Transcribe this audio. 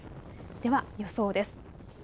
では予想です。